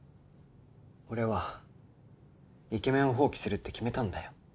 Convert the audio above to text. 俺はイケメンを放棄するって決めたんだよ。